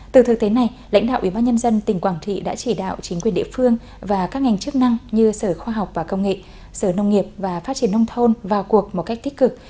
từ thực tế này lãnh đạo ubnd tỉnh quảng trị đã chỉ đạo chính quyền địa phương và các ngành chức năng như sở khoa học và công nghệ sở nông nghiệp và phát triển nông thôn vào cuộc một cách tích cực